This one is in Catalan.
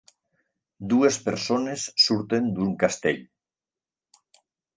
Dues persones surten d'un castell.